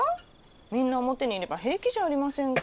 みんな表にいれば平気じゃありませんか。